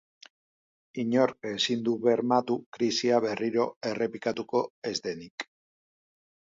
Inork ezin du bermatu krisia berriro errepikatuko ez denik.